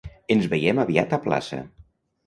Ens veiem aviat a plaça.